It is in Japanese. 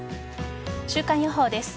週間予報です。